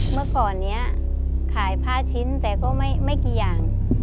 เมื่อก่อนนี้ขายผ้าชิ้นแต่ก็ไม่กี่อย่าง